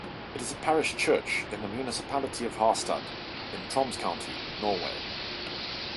It is a parish church in the municipality of Harstad in Troms county, Norway.